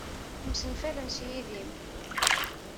Msenfalen s yidim.